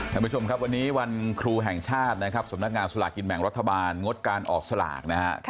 ท่านผู้ชมครับวันนี้วันครูแห่งชาตินะครับสำนักงานสลากกินแบ่งรัฐบาลงดการออกสลากนะฮะ